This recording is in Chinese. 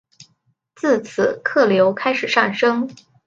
自此客流开始上升。